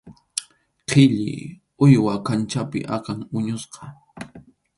Qhilli, uywa kanchapi akan huñusqa.